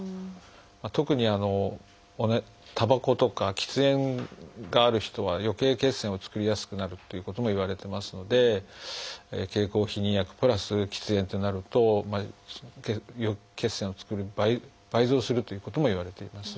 特にたばことか喫煙がある人はよけい血栓を作りやすくなるということもいわれてますので経口避妊薬プラス喫煙ってなると血栓を作る倍増するということもいわれています。